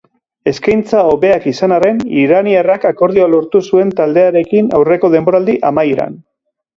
Eskeintza hobeak izan arren, iraniarrak akordioa lortu zuen taldearekin aurreko denboraldi amaieran.